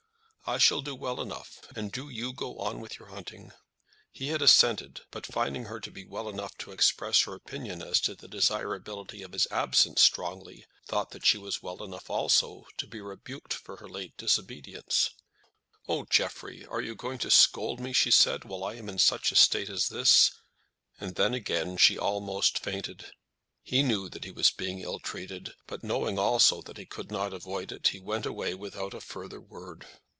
I shall do well enough, and do you go on with your hunting." He had assented; but finding her to be well enough to express her opinion as to the desirability of his absence strongly, thought that she was well enough, also, to be rebuked for her late disobedience. He began, therefore, to say a word. "Oh! Jeffrey, are you going to scold me," she said, "while I am in such a state as this!" and then, again, she almost fainted. He knew that he was being ill treated, but knowing, also, that he could not avoid it, he went away without a further word.